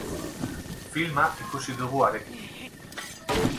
Filma ikusi dugu harekin.